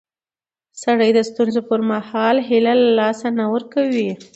سړی د ستونزو پر مهال هیله له لاسه نه ورکوي